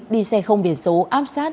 đi xe không biển số áp sát